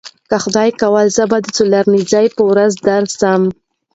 که خدای کول زه د څلورنیځې په ورځ درسم.